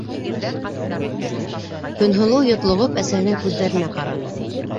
- Көнһылыу йотлоғоп әсәһенең күҙҙәренә ҡараны.